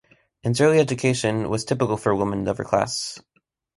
Anne's early education was typical for women of her class.